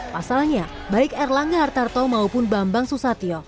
pasalnya baik erlangga hartarto maupun bambang susatyo